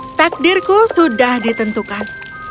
dan begitulah takdirku sudah ditentukan